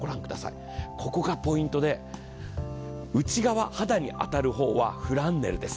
ここがポイントで、内側、肌に当たる方はフランネルです。